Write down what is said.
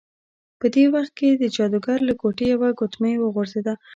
په دې وخت کې د جادوګر له ګوتې یوه ګوتمۍ وغورځیده.